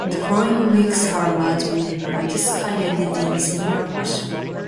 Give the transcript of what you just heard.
The following week her match with Velvet Sky ended in similar fashion.